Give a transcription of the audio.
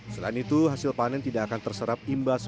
selain itu hasil panen tidak akan terserap imbas